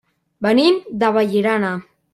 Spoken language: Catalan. Venim de Vallirana.